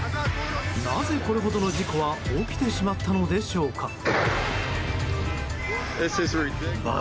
なぜこれほどの事故は起きてしまったのでしょうか。